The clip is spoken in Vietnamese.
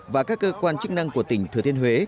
và các cơ quan chức năng của tỉnh thừa thiên huế